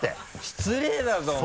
失礼だぞお前。